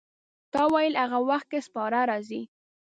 تا ویل هغه وخت کې سپاره راځي.